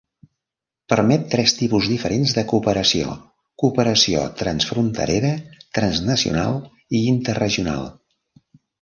Permet tres tipus diferents de cooperació: cooperació transfronterera, transnacional i interregional.